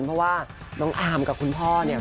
พอว่าน์อาร์มกับคุณพ่อเนี่ย